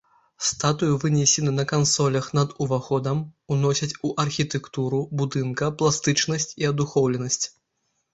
Статуі вынесены на кансолях над уваходам, уносяць у архітэктуру будынка пластычнасць і адухоўленасць.